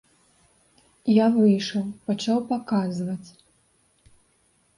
Я выйшаў, пачаў паказваць.